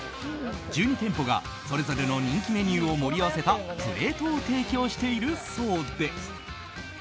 １２店舗がそれぞれの人気メニューを盛り合わせたプレートを提供しているそうで。